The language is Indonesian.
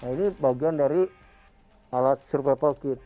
ini bagian dari alat survival kit